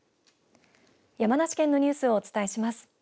山梨県のニュースをお伝えします。